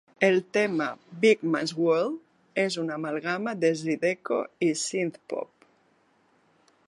El tema "Beakman's World" és una amalgama de Zydeco i Synthpop.